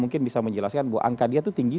mungkin bisa menjelaskan bahwa angka dia itu tinggi